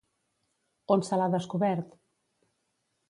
On se l'ha descobert?